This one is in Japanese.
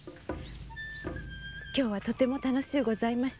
今日はとても楽しゅうございました。